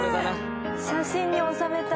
写真に収めたい。